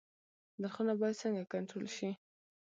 نرخونه باید څنګه کنټرول شي؟